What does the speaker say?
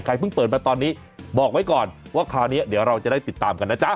เพิ่งเปิดมาตอนนี้บอกไว้ก่อนว่าคราวนี้เดี๋ยวเราจะได้ติดตามกันนะจ๊ะ